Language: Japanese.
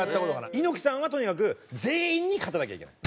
猪木さんはとにかく全員に勝たなきゃいけない。